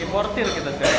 importir kita sekarang